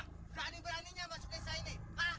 kakani beraninya masuk ke isa ini